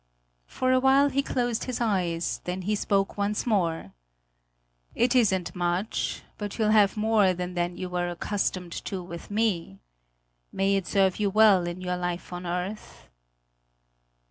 For a while he closed his eyes; then he spoke once more: "It isn't much; but you'll have more then than you were accustomed to with me. May it serve you well in your life on earth!"